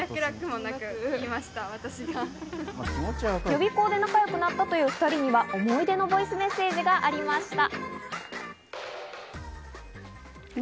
予備校で仲良くなったという２人には思い出のボイスメッセージがありました。